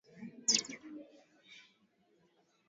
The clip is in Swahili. edda alieleza mahojihano yalikuwa mazuri na yenye tija katika jamii